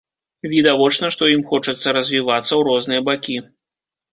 Відавочна, што ім хочацца развівацца ў розныя бакі.